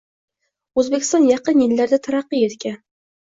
Oʻzbekiston yaqin yillarda taraqqiy etgan